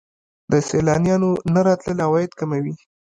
د سیلانیانو نه راتلل عواید کموي.